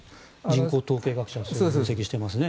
人口統計学者の方が分析していますね。